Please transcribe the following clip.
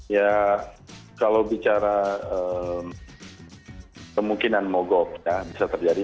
ya kalau bicara kemungkinan mogok ya bisa terjadi